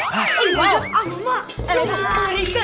kayaknya ustaz musa tidur ya